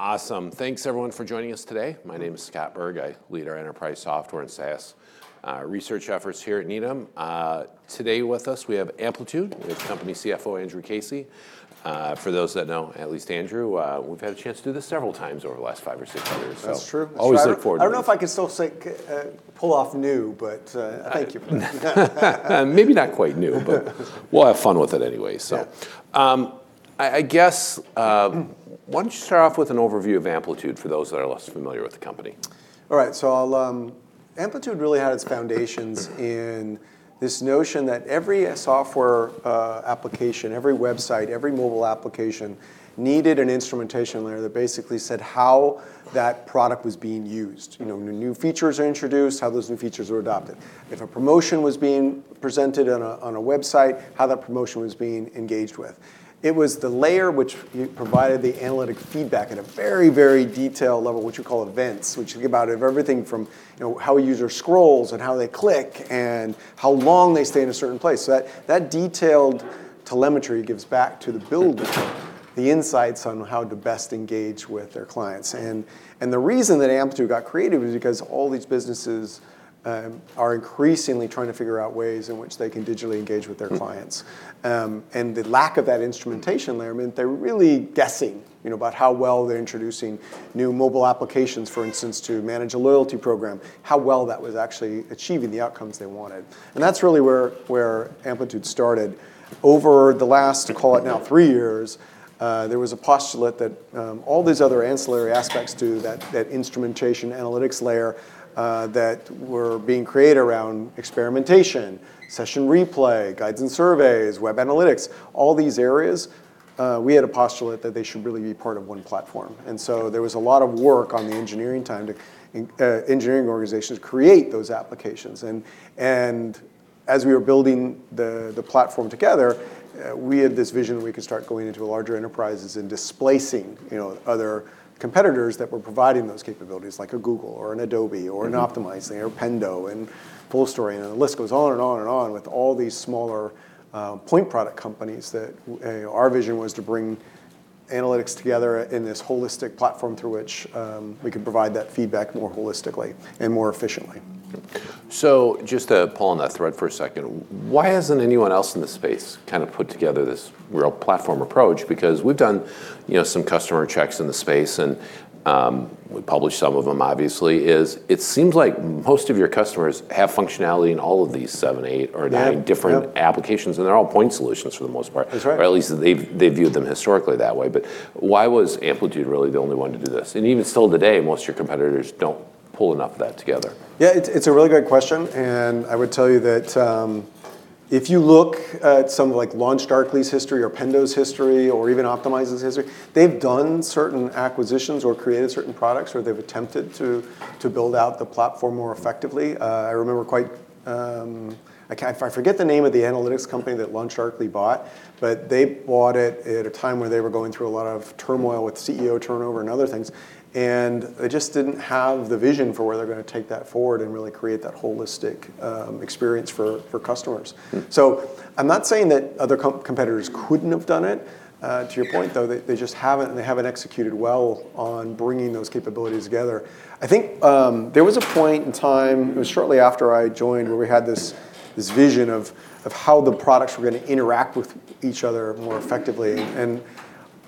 Awesome. Thanks everyone for joining us today. My name is Scott Berg. I lead our enterprise software and SaaS research efforts here at Needham. Today with us we have Amplitude, with company CFO Andrew Casey. For those that know at least Andrew, we've had a chance to do this several times over the last five or six years. That's true. Always look forward to it. I don't know if I can still say, pull off new, but, thank you for that. Maybe not quite new, but we'll have fun with it anyways, so. Yeah. I guess, why don't you start off with an overview of Amplitude for those that are less familiar with the company? All right. I'll Amplitude really had its foundations in this notion that every software application, every website, every mobile application needed an instrumentation layer that basically said how that product was being used. You know, when new features are introduced, how those new features were adopted. If a promotion was being presented on a website, how that promotion was being engaged with. It was the layer which provided the analytic feedback at a very detailed level, what you call events, which could be about everything from, you know, how a user scrolls and how they click and how long they stay in a certain place. That detailed telemetry gives back to the builder the insights on how to best engage with their clients. The reason that Amplitude got created was because all these businesses are increasingly trying to figure out ways in which they can digitally engage with their clients. The lack of that instrumentation layer meant they're really guessing, you know, about how well they're introducing new mobile applications, for instance, to manage a loyalty program, how well that was actually achieving the outcomes they wanted. That's really where Amplitude started. Over the last, call it now, three years, there was a postulate that all these other ancillary aspects to that instrumentation analytics layer that were being created around Experimentation, Session Replay, Guides and Surveys, Web Analytics, all these areas, we had a postulate that they should really be part of one platform. There was a lot of work on the engineering time to engineering organizations create those applications. As we were building the platform together, we had this vision we could start going into larger enterprises and displacing, you know, other competitors that were providing those capabilities, like a Google or an Adobe or an Optimizely or Pendo and Fullstory, and the list goes on and on and on with all these smaller point product companies that, you know, our vision was to bring analytics together in this holistic platform through which we could provide that feedback more holistically and more efficiently. Just to pull on that thread for a second, why hasn't anyone else in the space kind of put together this real platform approach? We've done, you know, some customer checks in the space and, we published some of them obviously, is it seems like most of your customers have functionality in all of these seven, eight, or nine. Yeah, yeah. different applications, they're all point solutions for the most part. That's right. Or at least they viewed them historically that way. Why was Amplitude really the only one to do this? Even still today, most of your competitors don't pull enough of that together. It's a really good question. I would tell you that if you look at some of like LaunchDarkly's history or Pendo's history or even Optimizely's history, they've done certain acquisitions or created certain products or they've attempted to build out the platform more effectively. I remember quite, I can't forget the name of the analytics company that LaunchDarkly bought. They bought it at a time where they were going through a lot of turmoil with CEO turnover and other things. They just didn't have the vision for where they're gonna take that forward and really create that holistic experience for customers. I'm not saying that other competitors couldn't have done it. To your point though, they just haven't and they haven't executed well on bringing those capabilities together. I think, there was a point in time, it was shortly after I joined, where we had this vision of how the products were gonna interact with each other more effectively.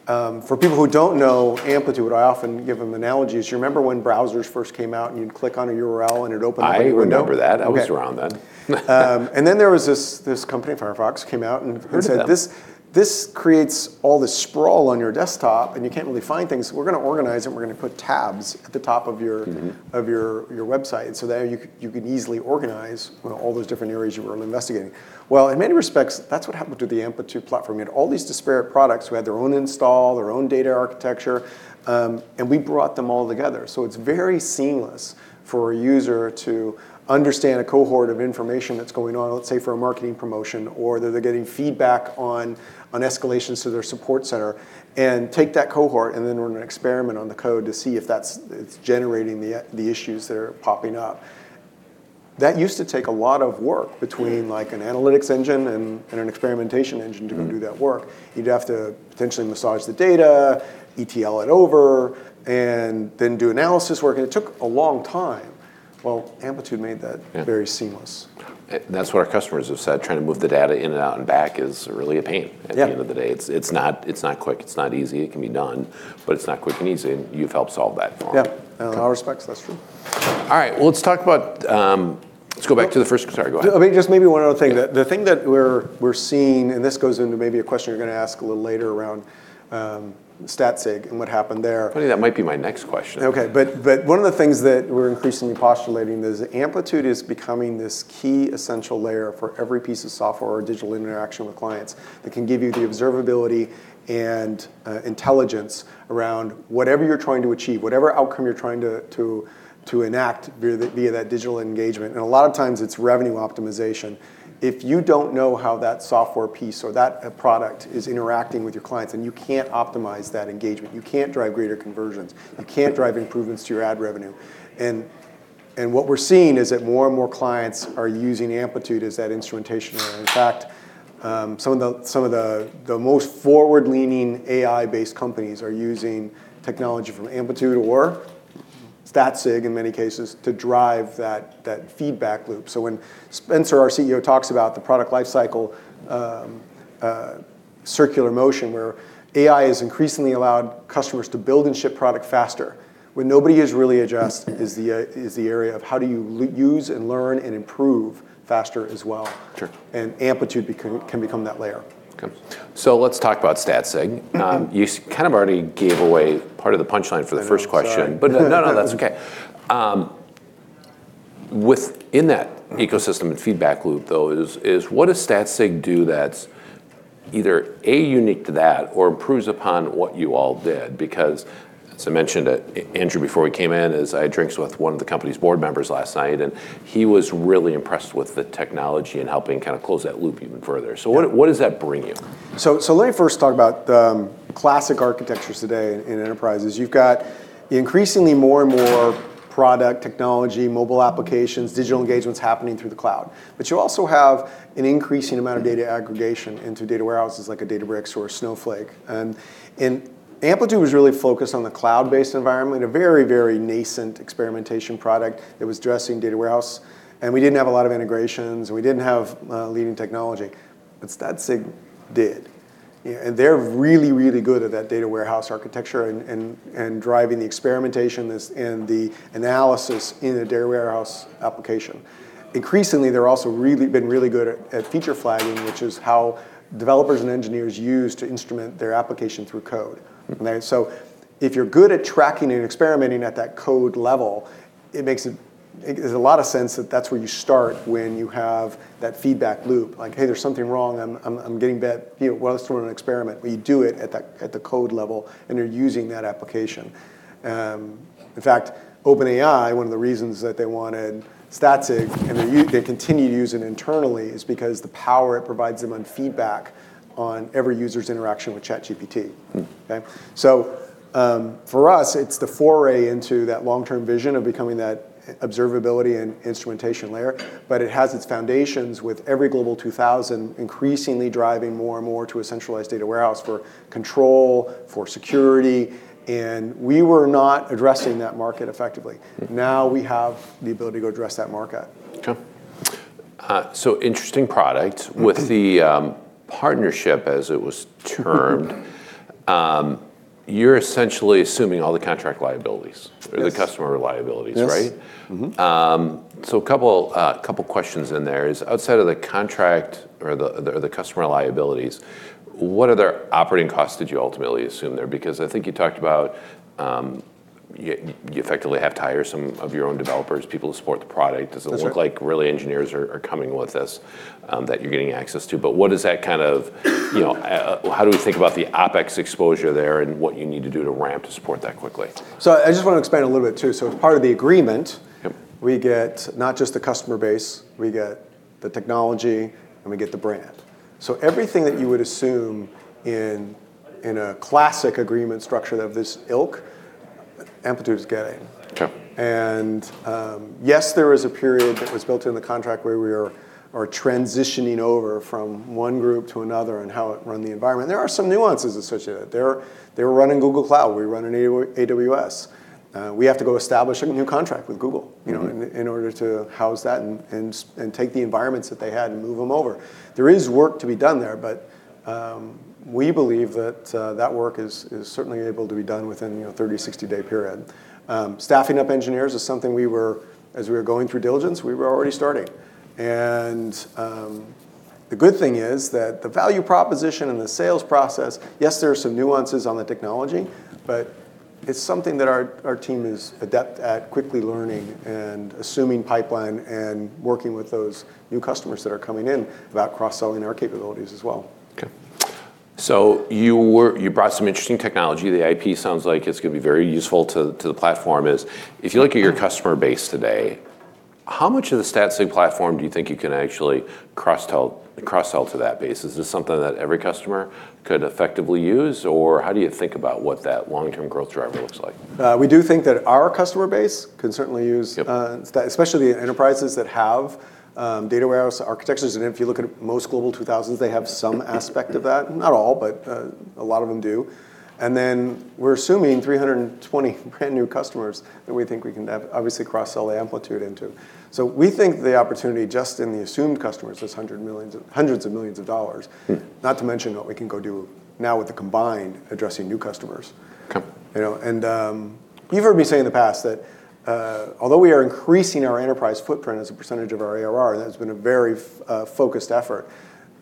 For people who don't know Amplitude, I often give them analogies. You remember when browsers first came out and you'd click on a URL and it opened up a window? I remember that. Okay. I was around then. There was this company, Firefox, came out and said. Heard of them. This creates all this sprawl on your desktop, and you can't really find things. We're gonna organize it and we're gonna put tabs at the top of your website so that you could easily organize all those different areas you were investigating. In many respects that's what happened to the Amplitude platform. You had all these disparate products who had their own install, their own data architecture, we brought them all together. It's very seamless for a user to understand a cohort of information that's going on, let's say, for a marketing promotion, or that they're getting feedback on escalations to their support center, and take that cohort and then run an Experiment on the code to see if it's generating the issues that are popping up. That used to take a lot of work between like an analytics engine and an Experimentation engine to go do that work. You'd have to potentially massage the data, ETL it over, and then do analysis work, and it took a long time. Well, Amplitude made that Yeah very seamless. That's what our customers have said, trying to move the data in and out and back is really a pain. Yeah. At the end of the day, it's not quick, it's not easy. It can be done, but it's not quick and easy, and you've helped solve that for them. Yeah. Cool. In all respects, that's true. All right. Let's go back to the first. Sorry, go ahead. Just maybe one other thing. Yeah. The thing that we're seeing, and this goes into maybe a question you're gonna ask a little later around, Statsig and what happened there. Funny, that might be my next question. One of the things that we're increasingly postulating is Amplitude is becoming this key essential layer for every piece of software or digital interaction with clients that can give you the observability and intelligence around whatever you're trying to achieve, whatever outcome you're trying to enact via that digital engagement. A lot of times it's revenue optimization. If you don't know how that software piece or that product is interacting with your clients, then you can't optimize that engagement. You can't drive greater conversions. You can't drive improvements to your ad revenue. What we're seeing is that more and more clients are using Amplitude as that instrumentation layer. In fact, some of the most forward-leaning AI-based companies are using technology from Amplitude or Statsig in many cases to drive that feedback loop. When Spenser, our CEO, talks about the product life cycle, circular motion where AI has increasingly allowed customers to build and ship product faster, what nobody has really addressed is the area of how do you use and learn and improve faster as well. Sure. Amplitude can become that layer. Okay. Let's talk about Statsig. You kind of already gave away part of the punchline for the first question. I know. Sorry. No, no, that's okay. Within that ecosystem and feedback loop though is what does Statsig do that's either, A, unique to that or improves upon what you all did? As I mentioned at Andrew before he came in is I had drinks with one of the company's board members last night, and he was really impressed with the technology and helping kind of close that loop even further. Yeah. What does that bring you? Let me first talk about the classic architectures today in enterprises. You've got increasingly more and more product technology, mobile applications, digital engagements happening through the cloud, but you also have an increasing amount of data aggregation into data warehouses like a Databricks or a Snowflake. Amplitude was really focused on the cloud-based environment, a very, very nascent experimentation product that was addressing data warehouse, and we didn't have a lot of integrations. We didn't have leading technology, but Statsig did. Yeah. They're really, really good at that data warehouse architecture and driving the experimentation that's in the analysis in a data warehouse application. Increasingly, they're also really been good at feature flagging, which is how developers and engineers use to instrument their application through code. Right? If you're good at tracking it and experimenting at that code level, it makes it's a lot of sense that that's where you start when you have that feedback loop. Like, "Hey, there's something wrong. I'm getting bad" You know, well, let's run an experiment, but you do it at that, at the code level, and you're using that application. In fact, OpenAI, one of the reasons that they wanted Statsig, and they continue to use it internally, is because the power it provides them on feedback on every user's interaction with ChatGPT. Okay. For us, it's the foray into that long-term vision of becoming that observability and instrumentation layer, but it has its foundations with every Global 2000 increasingly driving more and more to a centralized data warehouse for control, for security, and we were not addressing that market effectively. Now we have the ability to go address that market. Okay. Interesting product with the partnership as it was termed, you're essentially assuming all the contract liabilities. Yes The customer liabilities, right? Yes. Mm-hmm. A couple questions in there is outside of the contract or the customer liabilities, what other operating costs did you ultimately assume there? Because I think you talked about, you effectively have to hire some of your own developers, people to support the product. Sure. Does it look like really engineers are coming with this, that you're getting access to? What does that kind of, you know, how do we think about the OPEX exposure there and what you need to do to ramp to support that quickly? I just want to expand a little bit too. Yep we get not just the customer base, we get the technology, and we get the brand. Everything that you would assume in a classic agreement structure of this ilk, Amplitude is getting. Okay. Yes, there is a period that was built in the contract where we are transitioning over from one group to another and how it run the environment. There are some nuances associated. They're running Google Cloud. We run an AWS. We have to go establish a new contract with Google. You know, in order to house that and take the environments that they had and move them over. There is work to be done there, but we believe that that work is certainly able to be done within, you know, 30-60-day period. Staffing up engineers is something as we were going through diligence, we were already starting. The good thing is that the value proposition and the sales process, yes, there are some nuances on the technology, but it's something that our team is adept at quickly learning and assuming pipeline and working with those new customers that are coming in about cross-selling our capabilities as well. Okay. You brought some interesting technology. The IP sounds like it's gonna be very useful to the platform. Is if you look at your customer base today, how much of the Statsig platform do you think you can actually cross-sell to that base? Is this something that every customer could effectively use, or how do you think about what that long-term growth driver looks like? We do think that our customer base can certainly use. Yep especially enterprises that have data warehouse architectures. If you look at most Global 2000s, they have some aspect of that. Not all, but a lot of them do. Then we're assuming 320 brand-new customers that we think we can have, obviously cross-sell Amplitude into. We think the opportunity just in the assumed customers is hundreds of millions of dollars. Not to mention what we can go do now with the combined addressing new customers. Okay. You know, you've heard me say in the past that, although we are increasing our enterprise footprint as a percentage of our ARR, that has been a very focused effort.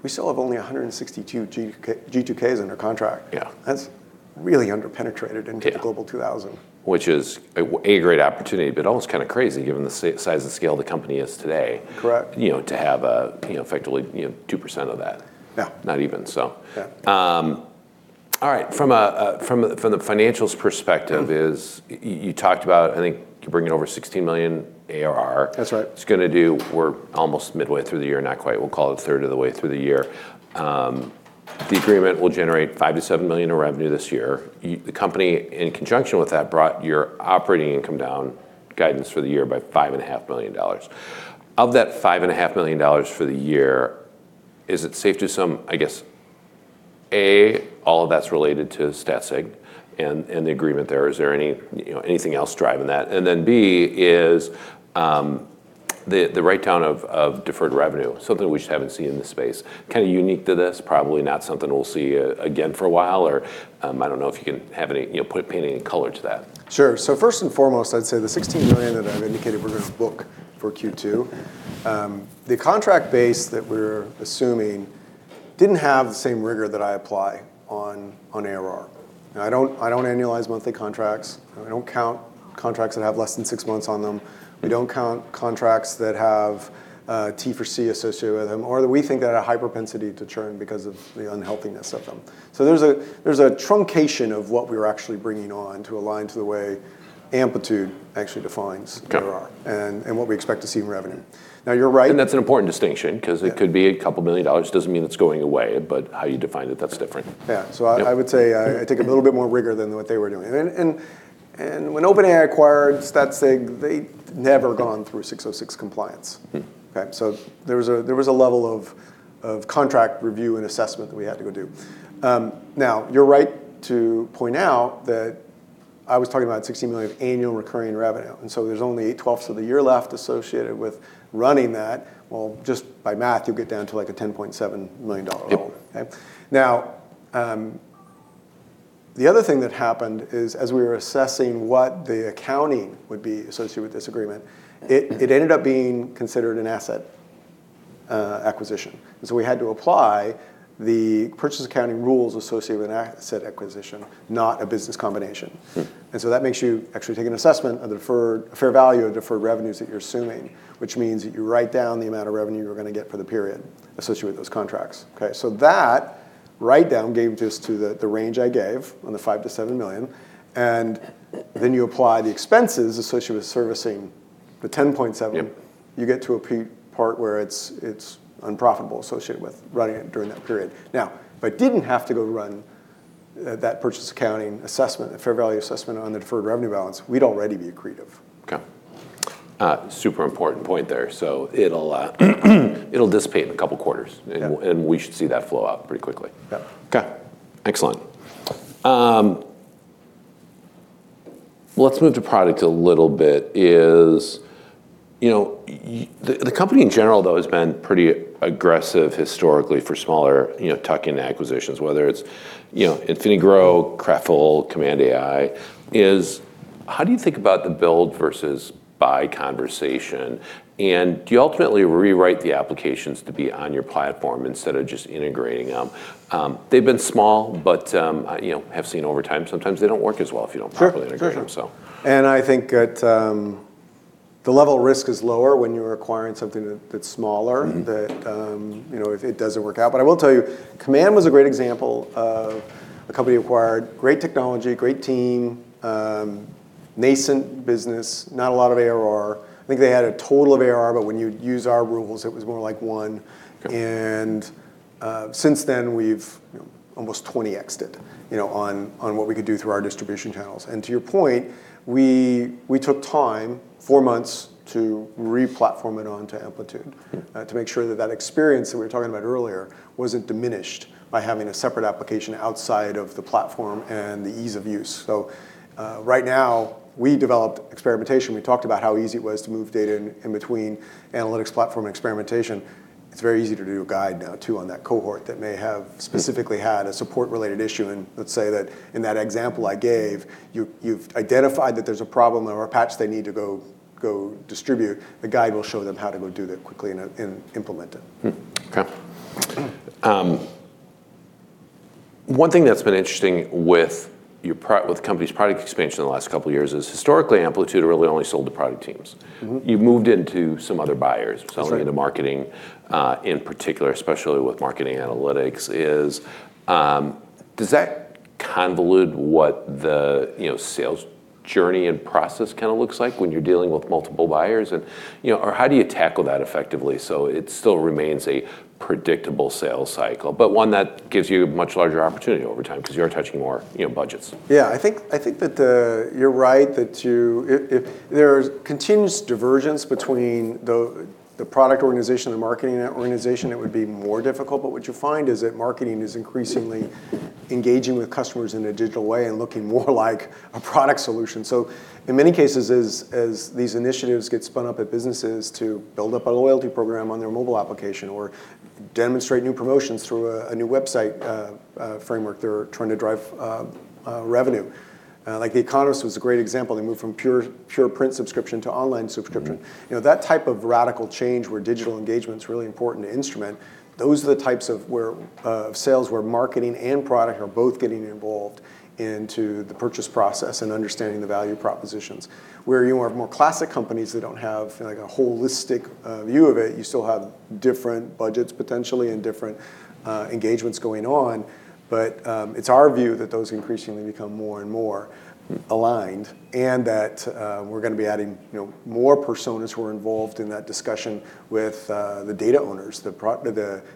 We still have only 162 G2Ks under contract. Yeah. That's really under-penetrated. Yeah the Global 2000. Which is a great opportunity, but almost kind of crazy given the size and scale the company is today. Correct you know, to have a, you know, effectively, you know, 2% of that. Yeah. Not even, so. Yeah. All right. From a financials perspective, you talked about, I think, you're bringing over $16 million ARR. That's right. We're almost midway through the year. Not quite. We'll call it a third of the way through the year. The agreement will generate $5 million-$7 million in revenue this year. The company, in conjunction with that, brought your operating income down guidance for the year by $5.5 million. Of that $5.5 million for the year, is it safe to assume, I guess, A, all of that's related to Statsig and the agreement there? Is there any, you know, anything else driving that? B, is the write down of deferred revenue, something we just haven't seen in this space, kinda unique to this, probably not something we'll see again for a while, or, I don't know if you can have any, you know, paint any color to that. Sure. First and foremost, I'd say the $16 million that I've indicated we're gonna book for Q2, the contract base that we're assuming didn't have the same rigor that I apply on ARR. Now, I don't, I don't annualize monthly contracts. I don't count contracts that have less than six months on them. We don't count contracts that have a T for C associated with them, or that we think they had a high propensity to churn because of the unhealthiness of them. There's a, there's a truncation of what we're actually bringing on to align to the way Amplitude actually defines. Okay ARR and what we expect to see in revenue. Now, you're right. That's an important distinction. Yeah It could be a couple million dollars. Doesn't mean it's going away, but how you define it, that's different. Yeah. Yeah. I would say I take a little bit more rigor than what they were doing. When OpenAI acquired Statsig, they'd never gone through 606 compliance. Okay? There was a level of contract review and assessment that we had to go do. Now, you're right to point out that I was talking about $16 million of annual recurring revenue, there's only 8/12 of the year left associated with running that. Well, just by math you'll get down to, like, a $10.7 million. Yep. Okay. The other thing that happened is, as we were assessing what the accounting would be associated with this agreement, it ended up being considered an asset acquisition. We had to apply the purchase accounting rules associated with an asset acquisition, not a business combination. That makes you actually take an assessment of the deferred, fair value of deferred revenues that you're assuming, which means that you write down the amount of revenue you're gonna get for the period associated with those contracts. Okay. That write down gave just to the range I gave on the $5 million-$7 million, and then you apply the expenses associated with servicing the $10.7 million- Yep you get to a part where it's unprofitable associated with running it during that period. Now, if I didn't have to go run that purchase accounting assessment, the fair value assessment on the deferred revenue balance, we'd already be accretive. Okay. super important point there. It'll, it'll dissipate in a couple quarters. Yeah. We should see that flow up pretty quickly. Yeah. Okay. Excellent. Let's move to product a little bit. You know, the company in general, though, has been pretty aggressive historically for smaller, you know, tuck-in acquisitions, whether it's, you know, InfiniGrow, Crafle, Command AI, how do you think about the build versus buy conversation? Do you ultimately rewrite the applications to be on your platform instead of just integrating them? They've been small, but, you know, have seen over time sometimes they don't work as well if you don't properly integrate. Sure them, so. I think at, the level of risk is lower when you're acquiring something that's smaller. That, you know, if it doesn't work out. I will tell you, Command was a great example of a company acquired, great technology, great team, nascent business, not a lot of ARR. I think they had a total of ARR, but when you'd use our rules, it was more like one. Okay. Since then we've, you know, almost 20x'd it, you know, on what we could do through our distribution channels. To your point, we took time, four months, to re-platform it onto Amplitude to make sure that that experience that we were talking about earlier wasn't diminished by having a separate application outside of the platform and the ease of use. Right now we developed Experimentation. We talked about how easy it was to move data in between analytics platform and experimentation. It's very easy to do a guide now too on that cohort that may have specifically had a support related issue and, let's say that in that example I gave, you've identified that there's a problem or a patch they need to go distribute. The guide will show them how to go do that quickly and implement it. One thing that's been interesting with the company's product expansion in the last two years is historically Amplitude really only sold to product teams. You've moved into some other buyers. That's right. Selling into marketing, in particular, especially with marketing analytics is, does that convolute what the, you know, sales journey and process kind of looks like when you're dealing with multiple buyers? You know, or how do you tackle that effectively so it still remains a predictable sales cycle, but one that gives you much larger opportunity over time because you are touching more, you know, budgets? Yeah. I think that you if there's continuous divergence between the product organization and the marketing organization, it would be more difficult, but what you find is that marketing is increasingly engaging with customers in a digital way and looking more like a product solution. In many cases as these initiatives get spun up at businesses to build up a loyalty program on their mobile application or demonstrate new promotions through a new website framework, they're trying to drive revenue. Like The Economist was a great example. They moved from pure print subscription to online subscription. You know, that type of radical change where digital engagement's a really important instrument, those are the types of where of sales where marketing and product are both getting involved into the purchase process and understanding the value propositions. Where you are more classic companies that don't have, like, a holistic view of it, you still have different budgets potentially and different engagements going on. It's our view that those increasingly become more and more aligned, and that we're gonna be adding, you know, more personas who are involved in that discussion with the data owners, the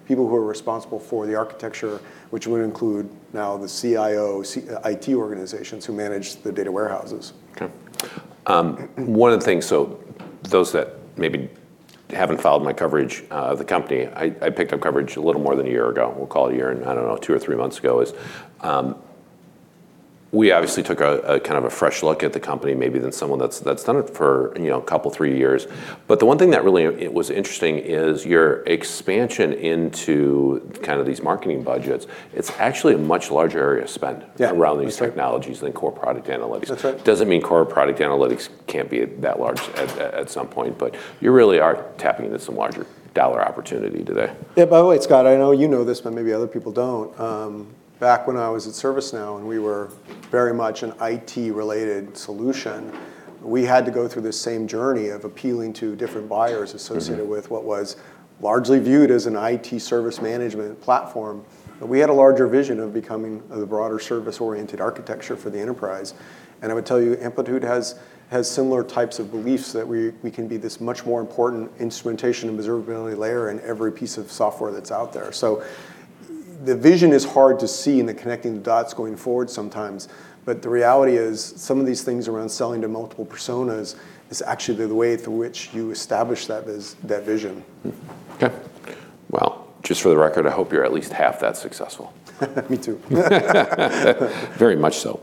people who are responsible for the architecture, which would include now the CIO, IT organizations who manage the data warehouses. Okay. One of the things, those that maybe haven't followed my coverage of the company, I picked up coverage a little more than a year ago, we'll call it a year and, I don't know, two or three months ago is, we obviously took a kind of a fresh look at the company maybe than someone that's done it for, you know, a couple, three years. The one thing that really, it was interesting is your expansion into kind of these marketing budgets. It's actually a much larger area of spend- Yeah. That's right. around these technologies than core product analytics. That's right. Doesn't mean core product analytics can't be that large at some point, but you really are tapping into some larger dollar opportunity today. Yeah. By the way, Scott, I know you know this, but maybe other people don't. Back when I was at ServiceNow and we were very much an IT related solution, we had to go through this same journey of appealing to different buyers associated with what was largely viewed as an IT service management platform. We had a larger vision of becoming the broader service oriented architecture for the enterprise. I would tell you Amplitude has similar types of beliefs that we can be this much more important instrumentation and observability layer in every piece of software that's out there. The vision is hard to see in the connecting the dots going forward sometimes. The reality is some of these things around selling to multiple personas is actually the way through which you establish that vision. Okay. Well, just for the record, I hope you're at least half that successful. Me too. Very much so.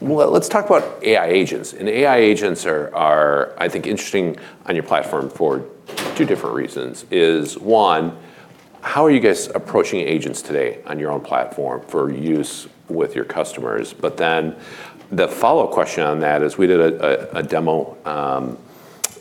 Well let's talk about AI agents. AI agents are, I think, interesting on your platform for two different reasons, is one, how are you guys approaching agents today on your own platform for use with your customers? The follow-up question on that is, we did a demo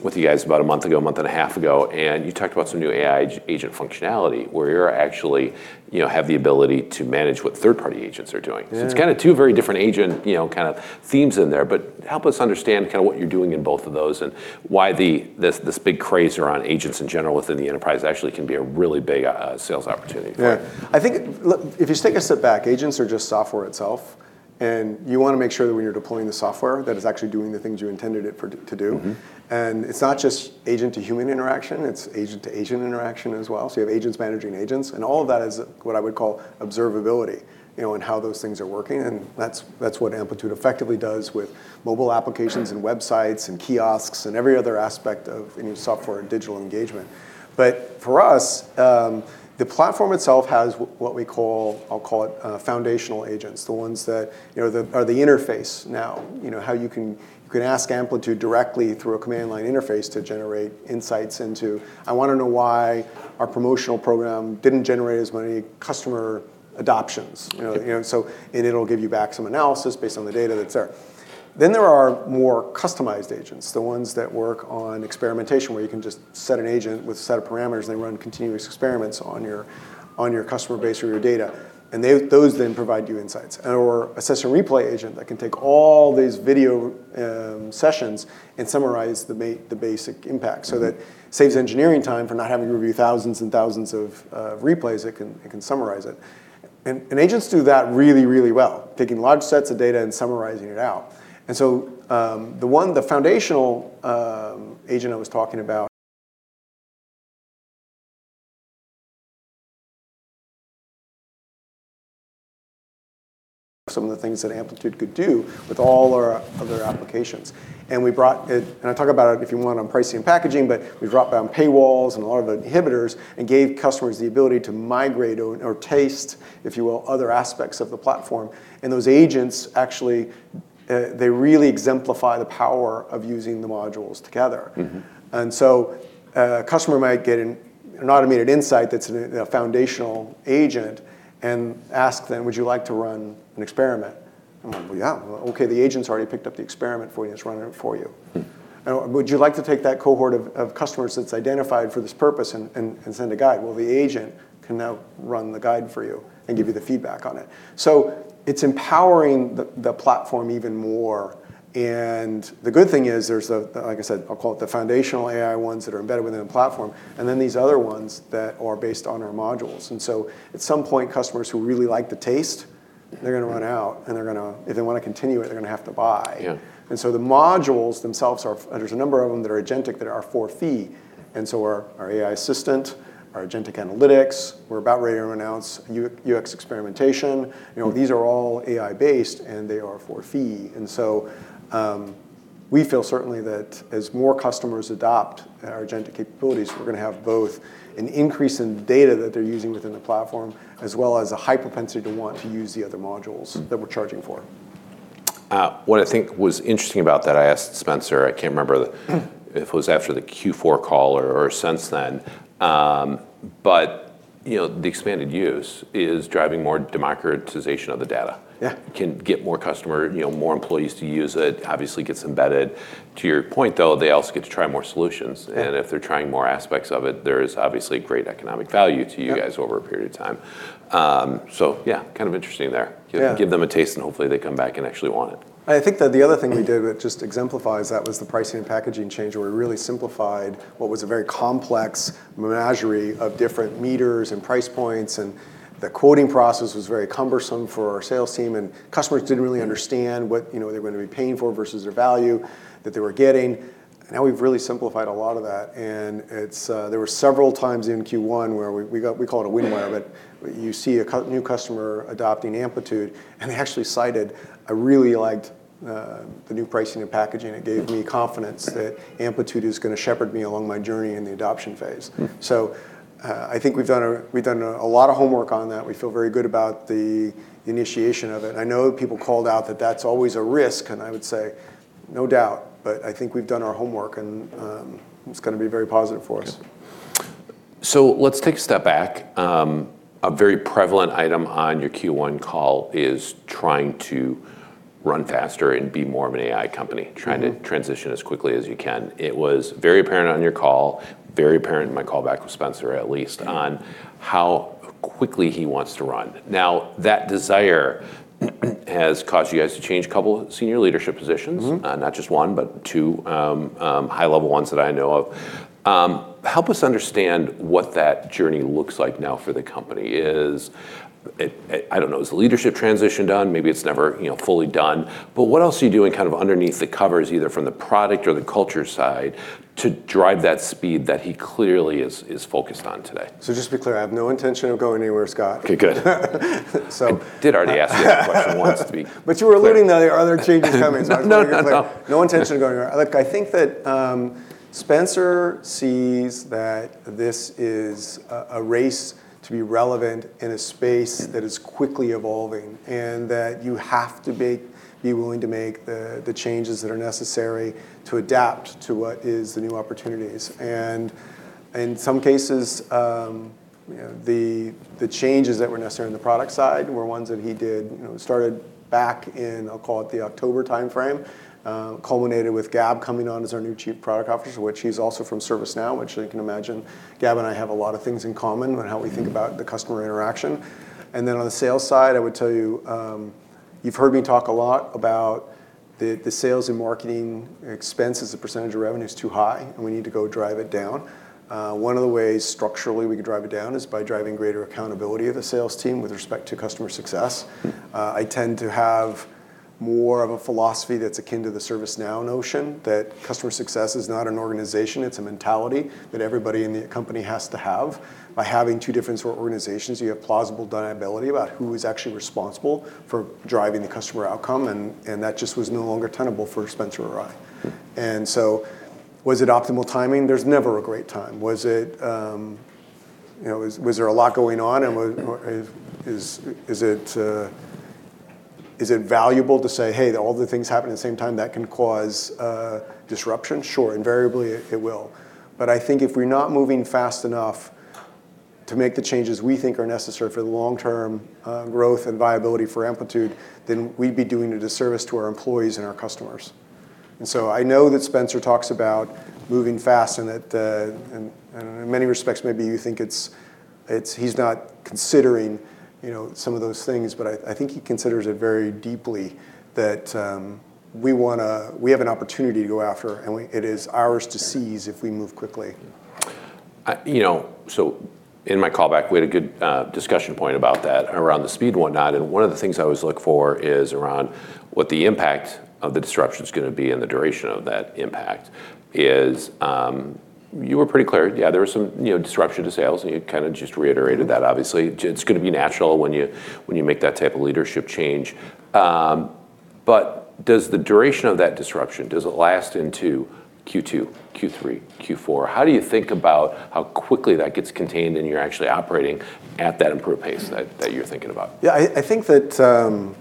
with you guys about a month ago, a month and a half ago, and you talked about some new AI agent functionality where you're actually, you know, have the ability to manage what third party agents are doing. Yeah. It's kind of two very different agent, you know, kind of themes in there, but help us understand kinda what you're doing in both of those and why this big craze around agents in general within the enterprise actually can be a really big sales opportunity for you? Yeah. I think look, if you take a step back, agents are just software itself, and you wanna make sure that when you're deploying the software, that it's actually doing the things you intended it for, to do. It's not just agent to human interaction, it's agent to agent interaction as well. You have agents managing agents, and all of that is what I would call observability, you know, and how those things are working. That's what Amplitude effectively does with mobile applications and websites and kiosks and every other aspect of any software or digital engagement. For us, the platform itself has what we call, I'll call it, foundational agents. The ones that, you know, are the interface now. You know, how you can ask Amplitude directly through a command line interface to generate insights into, "I wanna know why our promotional program didn't generate as many customer adoptions." You know, it'll give you back some analysis based on the data that's there. There are more customized agents, the ones that work on Experimentation, where you can just set an agent with a set of parameters, and they run continuous experiments on your customer base or your data, and those then provide you insights, or a session replay agent that can take all these video sessions and summarize the basic impact so that saves engineering time from not having to review thousands of replays. It can summarize it. Agents do that really well, taking large sets of data and summarizing it out. The one, the foundational agent I was talking about some of the things that Amplitude could do with all our other applications, and we brought it, and I'll talk about it if you want on pricing and packaging, but we brought down paywalls and a lot of the inhibitors and gave customers the ability to migrate or taste, if you will, other aspects of the platform. Those agents actually, they really exemplify the power of using the modules together. A customer might get an automated insight that's a foundational agent and ask them, "Would you like to run an Experiment?" "Well, yeah." "Well, okay, the agent's already picked up the Experiment for you. It's running it for you. Would you like to take that cohort of customers that's identified for this purpose and send a Guide? The agent can now run the Guide for you and give you the feedback on it. The good thing is there's a, like I said, I'll call it the foundational AI 1s that are embedded within the platform, and then these other 1s that are based on our modules. At some point, customers who really like the taste, they're gonna run out and if they want to continue it, they're gonna have to buy. Yeah. The modules themselves are, there's a number of 'em that are agentic that are for fee. Our AI assistant, our agentic analytics, we're about ready to announce UX Experimentation. You know, these are all AI based, and they are for fee. We feel certainly that as more customers adopt our agentic capabilities, we're gonna have both an increase in data that they're using within the platform, as well as a high propensity to want to use the other modules that we're charging for. What I think was interesting about that, I asked Spenser, I can't remember if it was after the Q4 call or since then, You know, the expanded use is driving more democratization of the data. Yeah. Can get more customer, you know, more employees to use it, obviously gets embedded. To your point though, they also get to try more solutions. Yeah. If they're trying more aspects of it, there is obviously great economic value to you guys. Yeah over a period of time. yeah, kind of interesting there. Yeah. Give them a taste, and hopefully they come back and actually want it. I think that the other thing we did that just exemplifies that was the pricing and packaging change, where we really simplified what was a very complex menagerie of different meters and price points, and the quoting process was very cumbersome for our sales team, and customers didn't really understand what, you know, they were gonna be paying for versus the value that they were getting. Now we've really simplified a lot of that, and it's there were several times in Q1 where we got We call it a win wire, but you see a new customer adopting Amplitude, and they actually cited, "I really liked the new pricing and packaging. It gave me confidence that Amplitude is gonna shepherd me along my journey in the adoption phase. I think we've done a lot of homework on that. We feel very good about the initiation of it. I know people called out that that's always a risk, I would say, no doubt, I think we've done our homework and it's gonna be very positive for us. Yeah. Let's take a step back. A very prevalent item on your Q1 call is trying to run faster and be more of an AI company. Trying to transition as quickly as you can. It was very apparent on your call, very apparent in my call back with Spenser, at least, on how quickly he wants to run. That desire has caused you guys to change a couple senior leadership positions. Not just one, but two, high-level ones that I know of. Help us understand what that journey looks like now for the company. Is it, I don't know, is the leadership transition done? Maybe it's never, you know, fully done. What else are you doing kind of underneath the covers, either from the product or the culture side, to drive that speed that he clearly is focused on today? Just to be clear, I have no intention of going anywhere, Scott. Okay, good. So- I did already ask you that question once. To be clear. You were alluding to other changes coming. No, no. I just wanted to be clear. Look, I think that Spenser sees that this is a race to be relevant in a space that is quickly evolving, and that you have to be willing to make the changes that are necessary to adapt to what is the new opportunities. In some cases, you know, the changes that were necessary on the product side were ones that he did, you know, started back in, I'll call it the October timeframe, culminated with Gab coming on as our new Chief Product Officer, which he's also from ServiceNow, which you can imagine Gab and I have a lot of things in common on how we think about the customer interaction. On the sales side, I would tell you've heard me talk a lot about the sales and marketing expense as a percentage of revenue is too high, and we need to go drive it down. One of the ways structurally we can drive it down is by driving greater accountability of the sales team with respect to customer success. I tend to have more of a philosophy that's akin to the ServiceNow notion, that customer success is not an organization, it's a mentality that everybody in the company has to have. By having two different sort of organizations, you have plausible deniability about who is actually responsible for driving the customer outcome and that just was no longer tenable for Spenser or I. Was it optimal timing? There's never a great time. Was it, you know, was there a lot going on? Is it valuable to say, "Hey, all the things happen at the same time, that can cause disruption?'' Sure, invariably it will. I think if we're not moving fast enough to make the changes we think are necessary for the long-term growth and viability for Amplitude, then we'd be doing a disservice to our employees and our customers. I know that Spencer talks about moving fast and that, and in many respects, maybe you think it's, he's not considering, you know, some of those things. I think he considers it very deeply, that, we have an opportunity to go after, and we, it is ours to seize if we move quickly. You know, in my call back, we had a good discussion point about that around the speed and whatnot, and one of the things I always look for is around what the impact of the disruption's gonna be and the duration of that impact is. You were pretty clear. Yeah, there was some, you know, disruption to sales and you kind of just reiterated that. Obviously, it's gonna be natural when you make that type of leadership change. Does the duration of that disruption, does it last into Q2, Q3, Q4? How do you think about how quickly that gets contained and you're actually operating at that improved pace that you're thinking about? Yeah, I think that,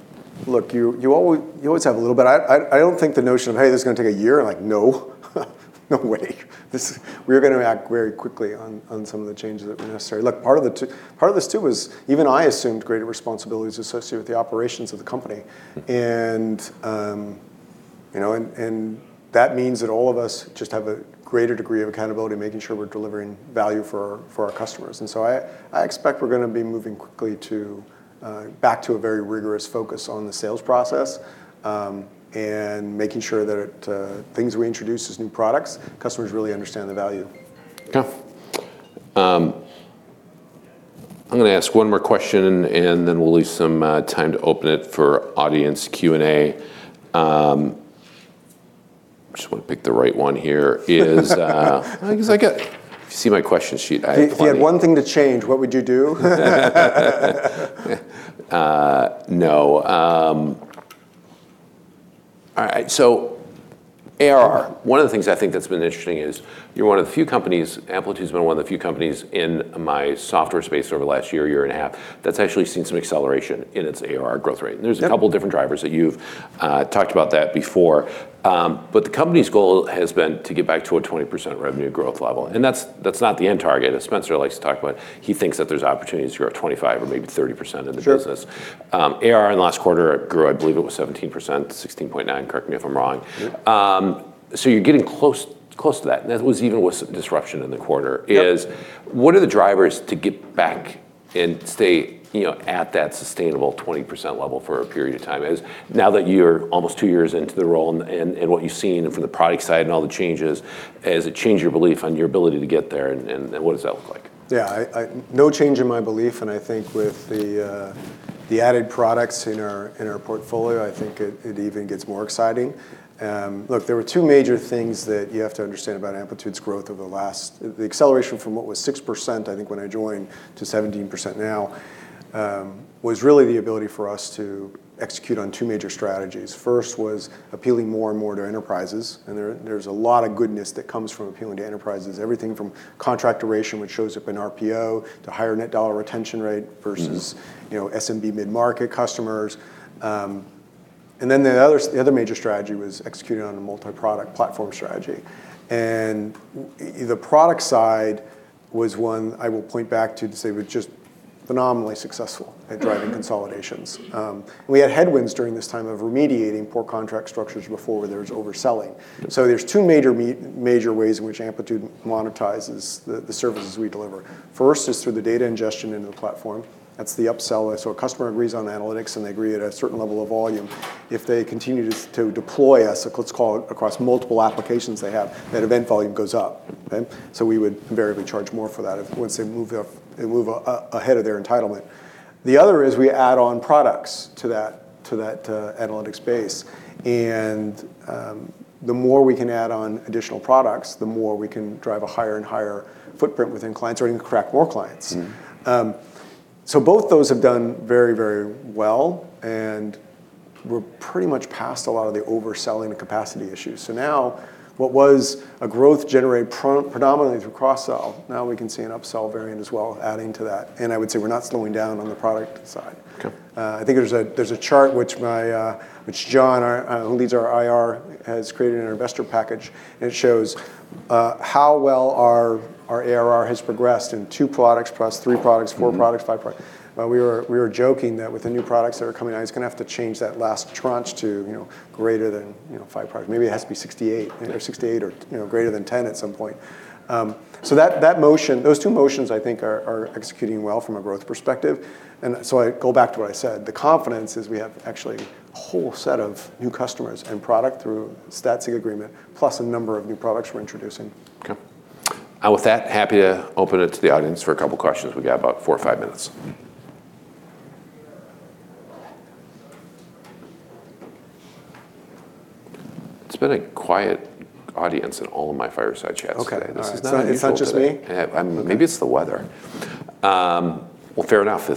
look, you always have a little bit. I don't think the notion of, "Hey, this is gonna take a year." Like, no. No way. We are gonna act very quickly on some of the changes that were necessary. Look, part of the part of this too was even I assumed greater responsibilities associated with the operations of the company. You know, that means that all of us just have a greater degree of accountability, making sure we're delivering value for our customers. I expect we're gonna be moving quickly to back to a very rigorous focus on the sales process, and making sure that things we introduce as new products, customers really understand the value. Okay. I'm gonna ask one more question and then we'll leave some time to open it for audience Q&A. Just wanna pick the right one here. No, 'cause I got If you see my question sheet, I have 20- If you had one thing to change, what would you do? No. All right, ARR. One of the things I think that's been interesting is you're one of the few companies, Amplitude's been one of the few companies in my software space over the last year and a half, that's actually seen some acceleration in its ARR growth rate. Yeah. There's a couple different drivers that you've talked about that before. The company's goal has been to get back to a 20% revenue growth level, and that's not the end target as Spenser likes to talk about. He thinks that there's opportunities to grow at 25% or maybe 30% of the business. Sure. ARR in the last quarter grew, I believe it was 17%, 16.9%, correct me if I'm wrong. Yeah. You're getting close to that, and that was even with some disruption in the quarter. Yeah. What are the drivers to get back and stay, you know, at that sustainable 20% level for a period of time? Now that you're almost two years into the role and what you've seen and from the product side and all the changes, has it changed your belief on your ability to get there and what does that look like? Yeah, I no change in my belief, I think with the added products in our portfolio, it even gets more exciting. Look, there were two major things that you have to understand about Amplitude's growth over the last. The acceleration from what was 6%, I think when I joined, to 17% now, was really the ability for us to execute on two major strategies. First was appealing more and more to enterprises, there's a lot of goodness that comes from appealing to enterprises. Everything from contract duration, which shows up in RPO, to higher net dollar retention rate versus- you know, SMB mid-market customers. The other major strategy was executing on a multi-product platform strategy. The product side was one I will point back to to say was just phenomenally successful at driving consolidations. We had headwinds during this time of remediating poor contract structures before where there was overselling. Yeah. There's two major ways in which Amplitude monetizes the services we deliver. First is through the data ingestion into the platform. That's the upsell. A customer agrees on analytics, and they agree at a certain level of volume. If they continue to deploy us, let's call it across multiple applications they have, that event volume goes up, okay? We would invariably charge more for that if, once they move ahead of their entitlement. The other is we add on products to that analytics base. The more we can add on additional products, the more we can drive a higher and higher footprint within clients or even crack more clients. Both those have done very, very well, and we're pretty much past a lot of the overselling the capacity issues. Now, what was a growth generated predominantly through cross-sell, now we can see an upsell variant as well adding to that. I would say we're not slowing down on the product side. Okay. I think there's a chart which John, who leads our IR, has created in our investor package, and it shows how well our ARR has progressed in two products, plus three products, four products, five products. We were joking that with the new products that are coming out, he's gonna have to change that last tranche to, you know, greater than, you know, five products. Maybe it has to be six to eight. Yeah. Six to eight or, you know, greater than 10 at some point. That, that motion, those two motions I think are executing well from a growth perspective. I go back to what I said. The confidence is we have actually a whole set of new customers and product through Statsig partnership, plus a number of new products we're introducing. With that, happy to open it to the audience for a couple questions. We got about four or five minutes. It's been a quiet audience in all of my fireside chats today. Okay. All right. This is not unusual today. It's not just me? Maybe it's the weather. Well fair enough.